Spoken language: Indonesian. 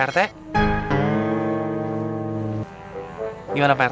kirain teh kemarin mau jadi agen besar